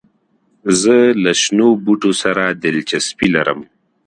زه له شنو بوټو سره دلچسپي لرم.